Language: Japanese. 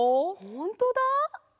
ほんとだ！